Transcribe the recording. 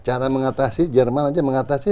cara mengatasi jerman aja mengatasi